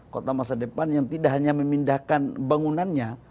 kota masa depan yang tidak hanya memindahkan bangunannya